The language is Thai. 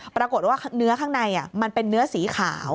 ปรากฏว่าเนื้อข้างในมันเป็นเนื้อสีขาว